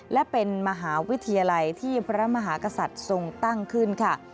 และเป็นมหาวิทยาลัยที่พระมหากษัตริย์ทรงตั้งขึ้นค่ะ